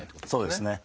そうですね。